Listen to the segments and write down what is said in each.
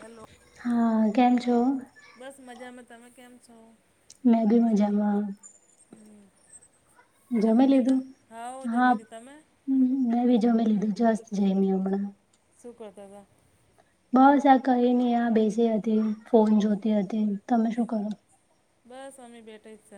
Hello હા કેમ છો બસ મજામાં તમે કેમ છો મેં બી મજામાં હમ જમી લીધા હા જમી લીધા મેમે હમ મેં બી જમી લીધું જસ્ત જઈમી હમણાં શું કરતા હતા બસ આ ક નને આ બેસી હતી ફોન જોતી હતી તમે શું કરો બસ હમ્ી બેઠે છ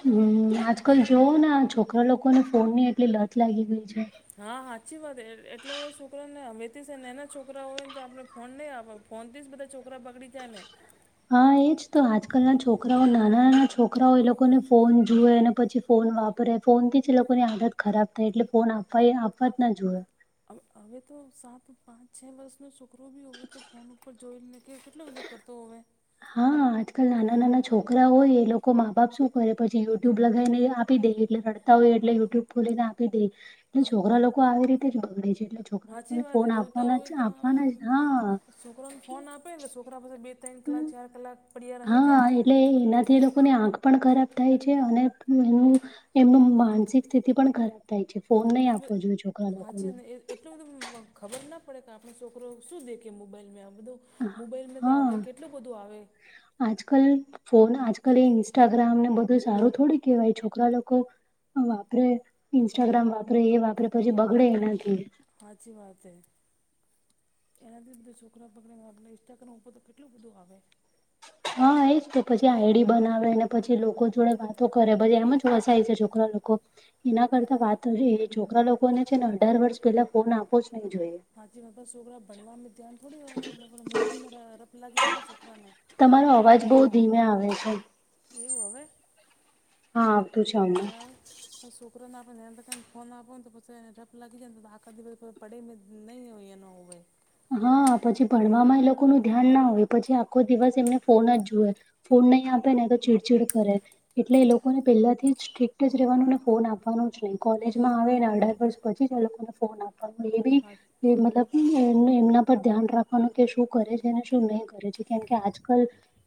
હમ આજકાલ જોવો છોકરા લોકોને ફોન ની એટલી લત લાગી ગઈ છે હા સાચી વાત એટલા બધા છોકરાઓને વેતી છે ને એના છોકરા હોય ને તો આપણે ફોન નહીં આપ ફોનથી જ બધા છોકરા બગડી જાય ને. હા એજ તો આજકાલના છોકરાઓ નાના નાના છોકરાઓ એ લોકોને ફોન જુએ અને પછી ફોન વાપરે ફોન થી જ એ લોકોની આદત ખરાબ થાય એટલે ફોન આપવા આપવા જ ના જોયો હવે તો સાત પાંચ છ વર્ષનોો છોકરો ભી હવે તો ફોન ઉપર જોઈને કે કેટલો બધો કરતો હોવે હા આજકાલ નાના નાના છોકરા હોય એ લોકો મા બાપ શું કરે પછી યુટ્યુબ લગાવીને આપી દે એટલે રડતા હોય એટલે યુટ્યુબ ખોલીને આપી દે એટલે હા છોકરા લોકો આવી રીતે જ બગડે છે. છોકરા સાચી લોકોને વાત ફોન એ આપવાના જ આપવાના જ હા. છોકરોને ફોન આપે એટલે છોકરા પાસે બે ત્રણ કલાક ચાર કલાક પડ્યા રમી હા જાય એટલે એનાથી એ લોકોને આંખ પણ ખરાબ થાય છે અને એ એમનું માનસિક સ્થિતિ પણ ખરાબ. ફોન નહી આપો જોયએ છોકરા હાચી લોકોને. ને એટલું બધું ખબર ના પડે કે આપણ છોકરો શું દેખએ મોબાઈલમાં આ બધું. મોબાઈલમાં તો હવે હા કેટલું બધું આવે. આજકાલ ફોન આજકાલ એ ઇન્સ્ટાગ્રામને બધું સારું થોડી કેહેવાય છોકરા લોકો વાપરે ઇન્સ્ટાગ્રામ વાપરે એ વાપરે પછી બગડે એનાથી. હાચી વાત હૈ. એનાથી બધા છોકરા બગડે આપણે ઈન્સ્ટાગ્રામ ઉપર તો કેટલું બધું આવે. હા એજ તો પછી આઈડી બનાવેને પછી લોકો જોડે વાતો કરે પછી એમ જ ફસાય છે છોકરા લોકો. એના કરતા વાત એ છોકરા લોકોને છે ને અઢાર વર્ષ પેલા ફોન આપો જ નહી જોઈએ. હાચી વાત છોકરા ભણવામાં ધ્યાન થોડી હો મોબાઈલમાં લપ લાગી જાય ને છોકરા ને. તમારો અવાજ બહુ ધીમે આવે છે. એવુંવે. [unintelligible] હા આવ તું છે. હમણાં હવે આવે. છોકરોને આપણેને ફોન આપો ને તો પછને લત લાગી જાયને તો આખ દિવ પડે નહી હોયયા નવ વજ. હા પછી ભણવામાં એ લોકો ન ધ્યાન ના હોય પછી આખો દિવસ એમને ફોન જ જોએ. ફોન નહીં આપે ને તો ચીડચીડ કરે એટલે એ લોકોને પહેલાથી જ સ્ટ્રિક જ રહેવાનુંને ફોન આપવાનું જ નહી કોલેજમાં આવે ને અઢાર વર્ષ પછી એ લોકોને ફોન આપ. આપ એવી હા જે મતલબ અ એ એમના પર ધ્યાન રાખવાનું કે શું કરે છે અને શું નહીં કરે છે કેમ કે આજકાલ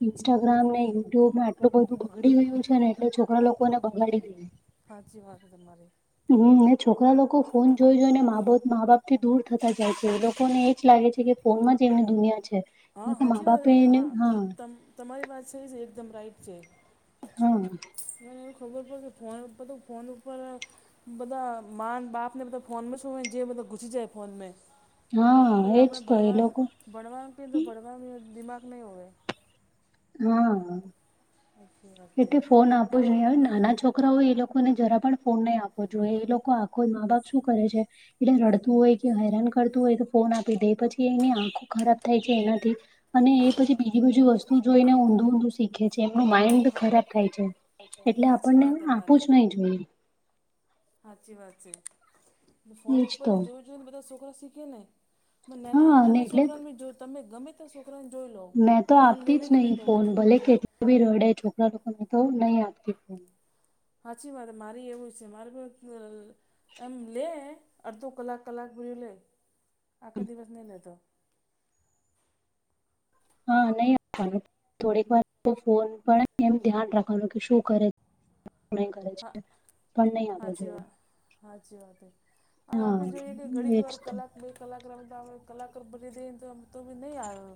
ઇન્સ્ટાગ્રામ ને યુટ્યુબમાં આટલું બધું બગડી ગયું છે ને એ છોકરા હા લોકોને બંગાડી દેય. સાચી વાત છે તમારી હમ્મ છોકરા લોકો ફોન જોઈ જોઈને મા બાપ થી દૂર થતા જાય છે. એ ને એ જ લાગે છે કે ફોનમાં જ એમની દુનિયા છે. હા કેમ કે મા સાચી વાત બાપે એને હા તમારી વાત છે જ એકદમ રાઈટ છે. હમ્મ. મને એવ ખબર પડે કે ફોન તો ફોન ઉપર બધા મા બાપ ને બધા ફોનમાં છું હોય જે બધા ઘુસી જાય ફોન મેં હા એજ આપણે તો એ ભણવા લોકો ભણવાનું કે તો ભણવાનું દિમાગ નહી હોવે. હા. સાચી વાત. છે એ ફોન આપો નહી હવે નાના છોક છોકરાઓ એ લોકોને જરા પણ ફોન નહીં આપવો જોઈએ એ લોકો આખો મા બાપ શું કરે છે એટલે રડતું હોય કે હેરાન કરતું હોય તો ફોન આપી દે પછી એની આંખો ખરાબ થાય છે એનથી. અને એ પછી બીજી બધી વસ્તુ જોઈને ઊંધું ઊંધું શીખે છે એમનું માઇન્ડ હા ખરાબ થાય છે એટલે સાચી આપણને વાત આપું તમારી જ નહી જોઈએ સાચી વાત છે ફોન એજ ઉપર તો જોયું જોઈ ને બધા છોકરા શીખે ને નાના હા અને નાના એટલે છોકરાઓ જો તમે ગમે છોકરાને જોઈ લો ફોન લઈને જ બેઠો હો હા પછી રડે છોકરા લોકોને તો નહી આપતી ફોન. સાચી વાત મારી એવું છે મારે કો એમ લે અડધો કલાક કલાક ભલે આખા દિવસ નહી લેતો. હા નહી અ થોડીક વાર ફોન પણ એમ ધ્યાન રાખવાનું કે શું કરે છે. કરે છે. પણ નહીં આપવો સાાચી જોઈએ. વાત સાાચી વાત હ હા આપે જોઈએ કે ઘડીક એજ વાર તો. કલાક બે કલાક રમતા હોય કલાક બરી દઈ તો બી નહી આવે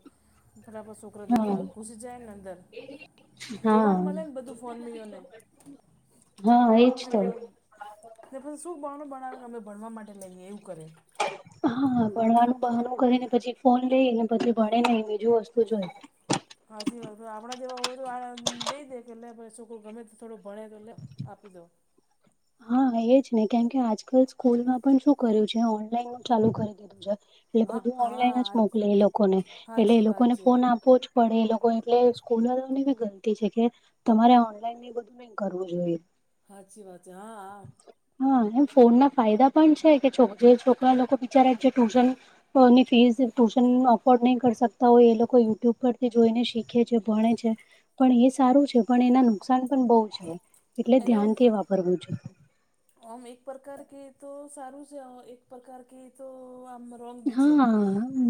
ઘરા [unintelligible] છોકરા હા દેતા ઘુસી જાય ને અંદર હા જોવાનું મળે ને બધું ફોન મીઓને. હા એજ ને તો પછી શું બણો બણાવ અમે ભણવા માટે લઈએ એવું કરે. હા ભણવાનું બહનું કરી ને પછી ફોન લઈને પછી ભણે ને બીજું વસ્તુ જોઈ હાચી વાત આપણા જેવા હોય તો આ દઈ દે કે લે પછી છોકરો ગમે થોડો ભણે તો લે આપી દો હા એજ ને કેમકે આજકાલ સ્કૂલમાં પણ શું કર્યું છે ઓનલાઈન ચાલુ કરી દીધું છે. એટલે હા બધું ઓનલાઈન જ હા મોકલે એ લોકોને એટલે હાચી એ વાત લોકોને છે ફોન આપો જ પડે એ લોકો એટલે સ્કૂલની બી ગલતી છે કે તમારે ઓનલાઈન ને બધું નઈ કરવું જોઈએ સાાચી વાત છે હા હા હા એમ ફોન ના ફાયદા પણ છે કે જે છોકરા લોકો બિચાર જે ટ્યુશન ની ફીસ ટ્યુશન અફોર્ડ નહી સકતા હોય એ લોકો યુટ્યુબ પરથી જોઈને શીખ છે ભણે છે પણ એ સારું છે પણ એના નુકસાન પણ બહુ છે. એટલે એના ધ્યાનથી વાપરવું આમ એક પ્રકાર કે તો સારું છે એક પ્રકાર કે તો આમ રોંગ બી છે હા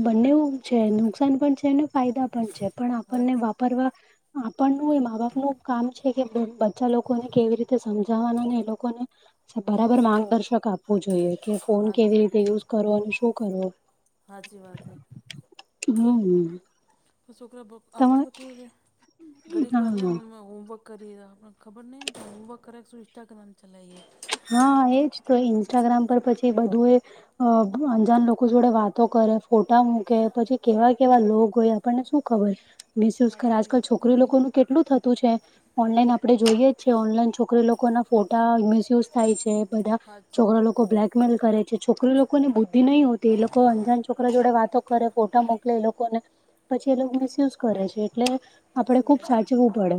બંનેવ છે નુકસાન પણ છે ને ફાયદા પણ છે. પણ હા આપણને વાપરવા આપણ નુ એ મા બાપનું કામ છે બચ્ચા લોકોને કેવી રીતે સમજાવવાના ને એ લોકોને બરાબર માર્ગદર્શક આપ વું જોઈએ કે ફોન હા કેવી રીતે યુઝ કરવો અને શું કરવો હાચી વાત હૈ. હમ તો છોકરા તમા આપણ તો કેયકે ઘડી ક વાર લે હા મા હોમવર્ક કરીએ આપણને ખબર નહી હોમવર્ક કરે કે ઇન્સ્ટાગ્રામ ચલાવીએ હા એજ તો ઇન્સ્ટાગ્રામ પર પછી બધું એ અ અજાન લોકો જોડે વાતો કરે ફોટા મૂકે પછી કેવા કેવા લોકો હોયા આપણને શું ખબર મિસયુઝ હાચી વાત આજકાલ છોકરી લોકોનું કેટલું થતું છે. ઓનલાઈન આપડે જોઈએ જ છે ઓનલાઈન છોકરી લોકો ના ફોટા મિસયુઝ થાય છે બધા હાચી છોકરા વાત લોકો બ્લેકમેલ કરે છે છોકરી લોકોની બુદ્ધિ નહ હોતી એ લોકો અંજાન છોકરા જોડે વાતો કરે ફોટા મોકલે એ લોકોને પછી એ લોકો મિસયુઝ કરે છે એટલે આપડે સાાચી ખુબ વાત છે સાચવું પડે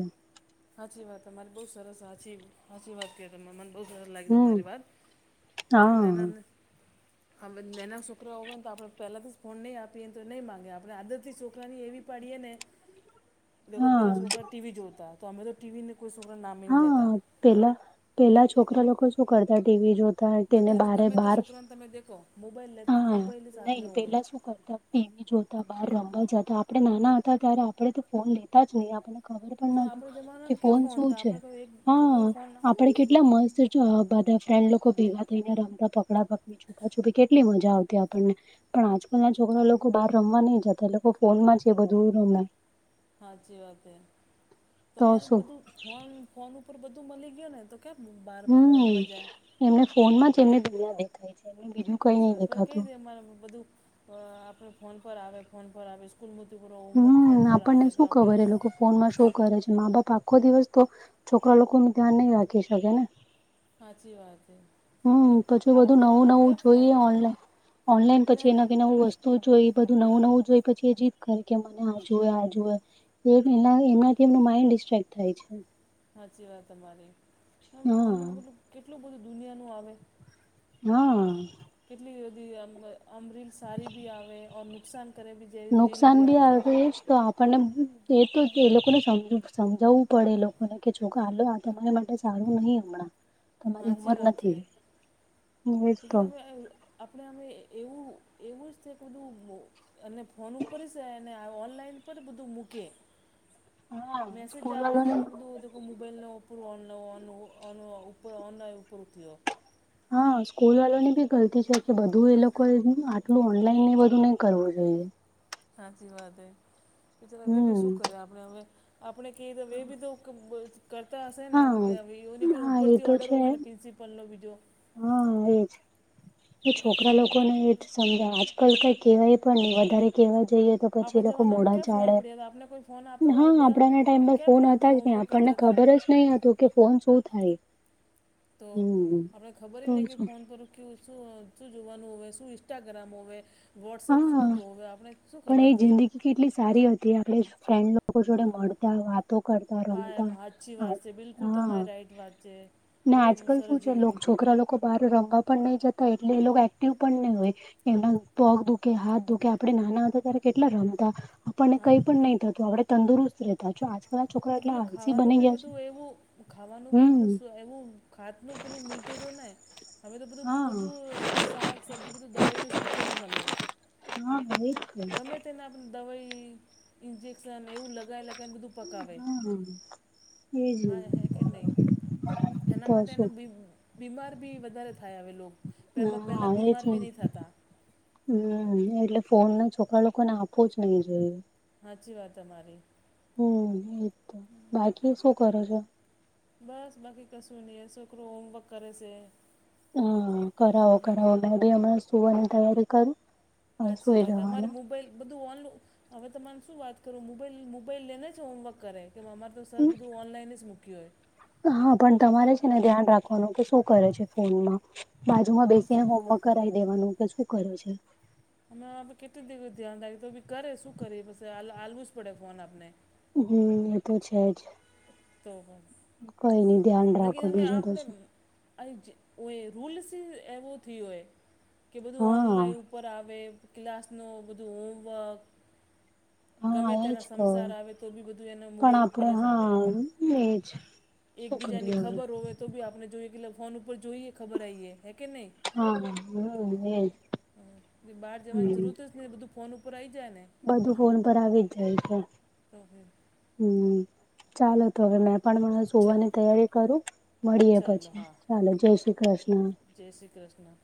સાાચી વાત તમારી બહુ સરસ સાચી સાચી વાત કે મને બહુ સર લાગે હમ તમારી વાત ના હા ના ના હવે નાના છોકરાઓ હોય ને તો આપણે પહેલાંથી જ ફોન નહીં આપીએને તો નહીં માંગે આપણે આદતથી છોકરાને એવી પાડીએ ને દેખો હા પહેલાં છોકરા ટીવી જોતા તો હમે તો ટીવીને કોઈ [unintelligible] નામેહી હા લેતા પેલા પેલા છોકરા લોકો શું કરતા ટીવી જો તા તેને બધાને બારે ગમે તે બાર છોકરાને તમે દેખો મોબાઈલ લે હા મોબાઈલ સાથમે નહી હોવે પેલા શું કરતા ટીવી જોતા બહાર રમવા જતા આપડણે નાના હતા ત્યારે આપણેે તો ફોન લેતા જ નહીં આપણે અમે આપણે [unintelligible] જમાનામાં ફોન ક્યાં શું હતા છે, આપણે કોઈ એક હ કોઈ ફોન આપ કેટલા મસ્ત બધા ફ્રેન્ડ લોકો ભેગા થઈને રમતા પકડા પકડી છુપાછુપી કેટલી મજા આવતી આપણને પણ આજકાલ ના છોકરા લોકો બહાર રમવા નહી જતા એ લોકો ફોનમાં જ એ બધું રમે સાચી વાત એ તો [inaudible] બધું ફોન ફોન ઉપર બધું મળી ગય ને તો કે મુંબાઈ હમ્મ એમને ફોનમાં જ એમને દુનિયા દેખાય છે એ બીજું કઈ હાચી નહી વાત કઈ દેખાતું રીતે અમારે બધું. તો આપણે ફોન પર આવે ફોન પર આવે સ્કૂલ મથી પૂરો હોમવર્ક ફોન હમ પર આવે આપણને તો શું આપણે ખબર એ લોકો ફોનમાં શું કરે છે મા બાપ આખો દિવસ તો છોકરા લોકો નુ ધ્યાન નહી રાખી શકે ને સાચી વાત હૈ. હમ પછી બધું નવું નવું જોઈએ ઓનલાઈન ઓનલાઈન ને પછી ને, એનાથી નવું વસ્તુ તો જોઈ બધું નવું નવું જોઈ પછી એ જીત કર કે મને આજુએ આજુએ એજ એના એનાથી એમનું માઈન્ડ ડિસ્ટ્રેક્ટ થાય છે. હાચી વાત તમારી આ હા ફોનમાં તો બેલું કેટલું બધું દુનિયાનું આવે. હા. કેટલી બધી આમ ઓમ રીલ સારી બી આવે ઓર નુકસાન કરે બી. જેવી રીલ નુકસાન બી ભી આવે તો એજ. તો આપણને એ તો એ લોકોને સમ સમજાવવું પડે એ લોકોને કે છો કાલે તમારી માટે સારું નહીં હમણાં તમારી સાચી ઉંમર વાત છે નથી. એજ તો લેકિન અમે આપણે અમે એવું એવું જ છે કે બધું અને ફોન ઉપર છે અને ઓનલાઈન પર બધું મૂકે. હા મેસેજ સ્કૂલ જાવે તો વાળાને ભી બધું વધુ મોબાઈલનો ઉપપરું ઓનલા ઓ ઓ ઉપ ઓનલા ઉપરરો થયો. હા સ્કૂલ વાલોની ભી ગલતી છે કે બધું એ લોકો આટલું ઓનલાઈન ને બધું નહી કરવું જોઈએ. સાચી વાત એ બ ત્યારે એ બી હમ શું કરે આપણે હવે આપણે ક દવે બી તો ક કરતા હશે ને હા કે એની હા એ ઉપરથી તો ઓર્ડર છે હોય ને પ્રિન્સિપલ નો બીજો હા એજ એ છોકરા સાચી વાત લોકો છે ને એ સમજવા આજકલ કઈ કહેવાય પણ નહી વધારે કહેવા જઈએ તો પછી એ આપણા લોકો જમાનામાં મોઢા ક્યાં ફોન ચાડે પડ્યા હતા આપણે કોઈ ફોન આપતા હતા હા હવે બધા આપણાના ટાઈમ પર ક્યાં ફોન ફોનથી હતા જ નહી હોમવર્ક આપણને કરતા હતા ખબર જ નહી હતું કે ફોન શું થાય. તો હમ આપણે ખબર તો નહીં કે શું ફોન પર કે શું શું જોવાનું હોય શું ઇન્સ્ટાગ્રામ હોવે વોટ્સએપ હા શું હતું હવે આપને શું પણ ખબર એ હતી. જિંદગી કેટલી સારી હતી આપણે ફ્રેન્ડનો એ લોકો જોડે મળતા વાતો કરતા હા એમ રમતા સાચી વાત છે બિલકુલ હા તમારી રાઈટ વાત છે ને બહુ આજકાલ સરસ શું છે જિંદગી છોકરા લોકો બહાર રમવા પણ નહી જતા એટલે એ લોગ એક્ટિવ પણ નહી હોય એમના પગ દુખે હાથ દુખે આપણે નાના હતા ત્યારે કેટલા રમતા આપણને હા કઈ પણ નહી થતું આપણે તંદુરસ્ત રહે. તો પેલો ખાવાનું ભી છે બધું એવું ખાવાનું ભી હમ પેલું એવું ખાત નું પેલું મિલતું તો ને. હવે તો બધું હા બધું શાક-સબ્ઝી બધું દવાઈનું સીટકેલુ મળે. હા ભાઈ. ગમે તેને આપ દવાઈ ઈન્જેક્શન એવું લગાઇ લગાઇ ને બધું પકાવે. હમ્મ. હા હે કે નહી એના તો માટે એને શું બી બીમાર બી વધારે થાય હવે લોક પેમા પહેલાં બીમાર બી નહીં થતા. હમ્મ એટલે ફોન ને છોકરા લોકોને આપવો જ નહિ હોઈએ. હાચી વાત તમારી. હમ્મ ઠીક છે. બાકી શું કરો છો? બસ બાકી કશું નહી આ છોકરો હોમવર્ક કરે છે. હ કરાવો કરાવો મે ભી હમણાં સુવાની તૈયારી કરુ. હાચી વાત અમારે મોબાઈલ બધું ઓન હવે તમારે શું વાત કરું મોબાઈલ મોબાઈલ લઈને જ હોમવર્ક કરે. કે અમારે તો સર બધું ઓનલાઈન જ મૂક્યું હોય હા પણ તમારે છે ને ધ્યાન રાખવાનું કે શું કરે છે ફોનમાં બાજુમાં હું બેસીને શું હોમવર્ક કરાઈ દેવાનું કે શું કરે છે. અમે આપે કેટલી દિવસ ધ્યાન રાખીએ તો ભી કરે શું કરી પ આલવું જ પડે ફોન આપને. હમ્મ એ તો છે જ. તોહ બસ. કઈનઈ ધ્યાન લેકીન રાખો અમે બીજું તો આપણે શું અને જે રૂલ્સ એવો થયો હોય કે બધું હા ઓનલાઈન પર આવે. ક્લાસનો બધું હોમવર્ક ગમે હા એજ તેના સંસાર આવે તો બી બધું એને પણ મોબાઈલ ઉપર આપડે જ આવે. હા એજ શું એકબીજાની કરીએ હવે ખબર હોવે તો બી આપને જોઈએ કે ફોન ઉપર જોઈએ ખબર આઈએ હે કે નહી? હા હમ એજ એ બહાર જવાની હમ જરૂરત જ ને બધું ફોન ઉપર આઈ જાય ને. બધું ફોન પર આવી જ જાય છે. હમ હમ. હમ ચાલો તો હવે મે પણ ચ સુવાની તૈયારી કરું મળીએ ચાલો પછી હા ચાલો જય શ્રી કૃષ્ણ. જય શ્રી કૃષ્ણ.